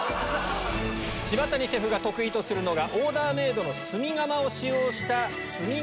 柴谷シェフが得意とするのがオーダーメイドの炭窯を使用した。